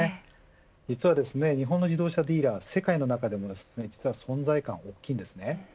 実は日本の自動車ディーラーは世界の中でも存在感が大きいです。